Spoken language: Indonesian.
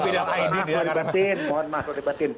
mohon maaf lah ribatin